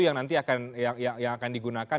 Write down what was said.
yang nanti akan digunakan